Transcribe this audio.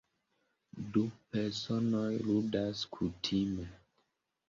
Du personoj ludas kutime.